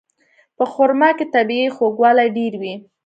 په خرما کې طبیعي خوږوالی ډېر وي.